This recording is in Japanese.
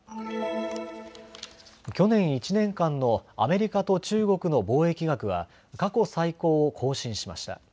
去年１年間のアメリカと中国の貿易額は過去最高を更新しました。